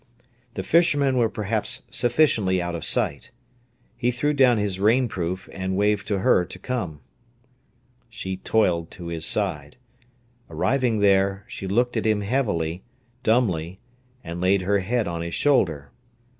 The fishermen were perhaps sufficiently out of sight. He threw down his rainproof and waved to her to come. She toiled to his side. Arriving there, she looked at him heavily, dumbly, and laid her head on his shoulder.